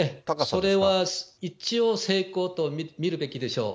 それは一応成功と見るべきでしょう。